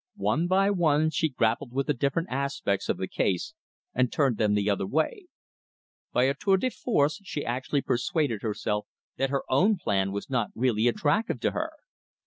One by one she grappled with the different aspects of the case, and turned them the other way. By a tour de force she actually persuaded herself that her own plan was not really attractive to her.